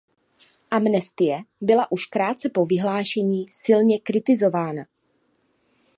Amnestie byla už krátce po vyhlášení silně kritizována.